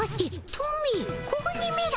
トミー子鬼めら